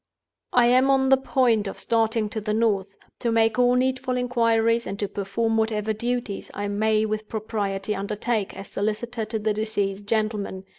"I am on the point of starting for the North, to make all needful inquiries, and to perform whatever duties I may with propriety undertake, as solicitor to the deceased gentleman.